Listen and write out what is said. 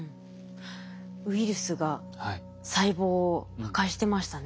ウイルスが細胞を破壊してましたね。